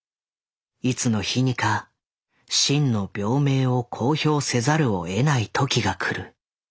いつの日にか真の病名を公表せざるを得ない時が来る」。